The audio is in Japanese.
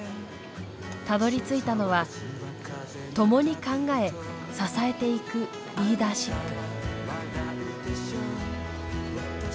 たどりついたのは共に考え支えていくリーダーシップ。